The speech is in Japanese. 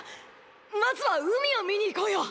まずは海を見に行こうよ！